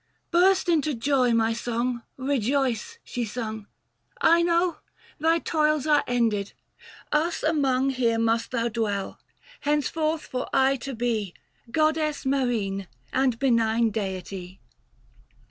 " Burst into joy my song, rejoice," she sung, "Ino, thy toils are ended; us among Here must thou dwell, henceforth for aye to be Goddess Marine and benign deity.